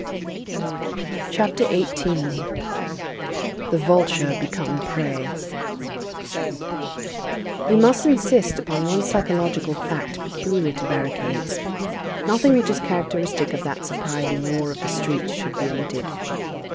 CHAPTER XVIII—THE VULTURE BECOME PREY We must insist upon one psychological fact peculiar to barricades. Nothing which is characteristic of that surprising war of the streets should be omitted.